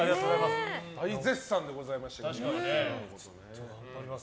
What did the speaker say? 大絶賛でございましたけども。